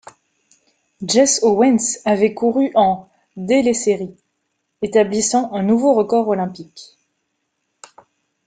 Jesse Owens avait couru en dès les séries, établissant un nouveau record olympique.